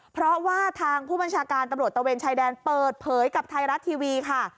เพราะว่าทางผู้บัญชาการตำรวจตะเวนชายแดนเปิดเผยกับไทยรัฐทีวีค่ะ